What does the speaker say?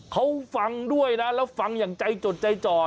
เขาฟังด้วยนะแล้วฟังอย่างใจจดใจจ่อ